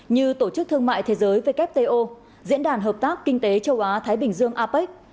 như tổ chức thương mại thế giới wto diễn đàn hợp tác kinh tế châu á thái bình dương apec